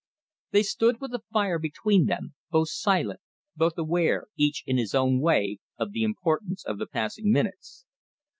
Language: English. They stood with the fire between them, both silent, both aware, each in his own way, of the importance of the passing minutes.